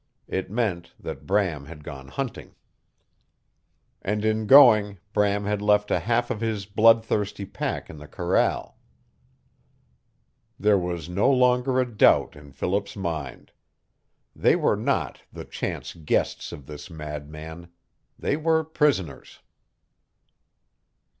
It meant that Bram had gone hunting. And in going Bram had left a half of his blood thirsty pack in the corral. There was no longer a doubt in Philip's mind. They were not the chance guests of this madman. They were prisoners.